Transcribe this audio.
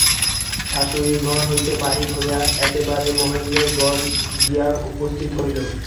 শাশুড়ির ঘর হইতে বাহির হইয়া একেবারে মহেন্দ্রের ঘরে গিয়া উপস্থিত হইল।